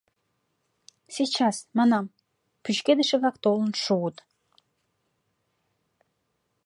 Сейчас, — манам, — пӱчкедыше-влак толын шуыт!